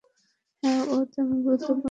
হ্যাঁ, ও তেমন গুরুত্বপূর্ণ নয়।